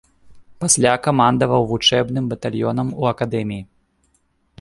Пасля камандаваў вучэбным батальёнам у акадэміі.